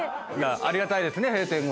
ありがたいですね閉店後にね。